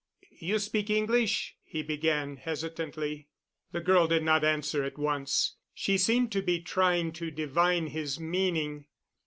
"You speak English?" he began hesitantly. The girl did not answer at once; she seemed to be trying to divine his meaning.